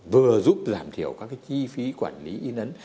vừa giúp giảm thiểu các cái chi phí quản lý y nấn